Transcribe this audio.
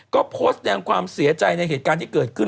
ก็โพสต์แสดงความเสียใจในเหตุการณ์ที่เกิดขึ้น